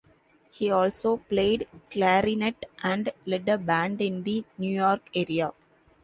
He also played clarinet and led a band in the New York area.